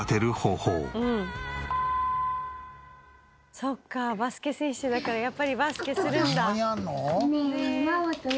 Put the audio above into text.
そっかバスケ選手だからやっぱりバスケするんだ。